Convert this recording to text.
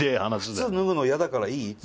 「靴脱ぐの嫌だからいい？」